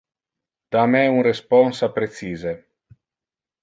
Da me un responsa precise.